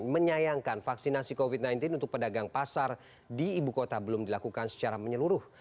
menyayangkan vaksinasi covid sembilan belas untuk pedagang pasar di ibu kota belum dilakukan secara menyeluruh